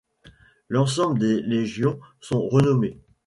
L'ensemble des légions sont renommées.